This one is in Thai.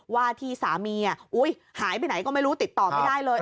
ว่าที่สามีหายไปไหนก็ไม่รู้ติดต่อไม่ได้เลย